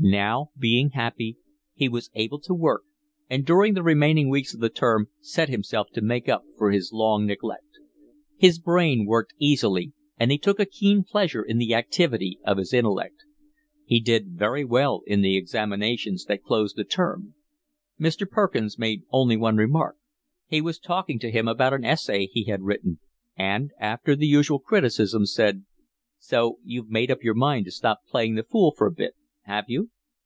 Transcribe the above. Now, being happy, he was able to work, and during the remaining weeks of the term set himself to make up for his long neglect. His brain worked easily, and he took a keen pleasure in the activity of his intellect. He did very well in the examinations that closed the term. Mr. Perkins made only one remark: he was talking to him about an essay he had written, and, after the usual criticisms, said: "So you've made up your mind to stop playing the fool for a bit, have you?"